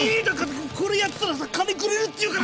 これやったらさ金くれるって言うからさ。